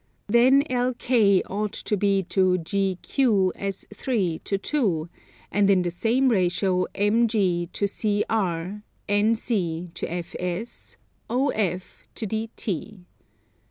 Then LK ought to be to GQ as 3 to 2; and in the same ratio MG to CR, NC to FS, OF to DT.